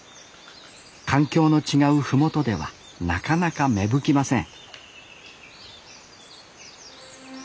環境の違う麓ではなかなか芽吹きません